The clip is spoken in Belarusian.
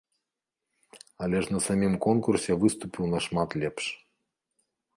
Але ж на самім конкурсе выступіў нашмат лепш.